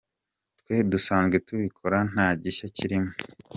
Twe dusanzwe tubikora nta gishya kirimo.